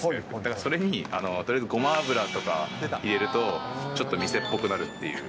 それにとりあえずごま油とか入れるとちょっと店っぽくなるっていう。